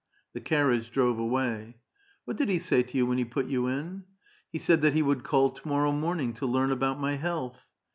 The carriage drove away. " What did he say to you when he put you in?" " He said that he would call to morrow morning to learn about my health."